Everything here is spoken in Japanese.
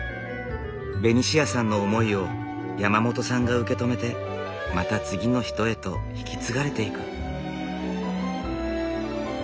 ベニシアさんの思いを山本さんが受け止めてまた次の人へと引き継がれていく。